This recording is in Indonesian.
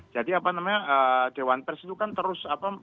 jadi apa namanya dewan pers itu kan terus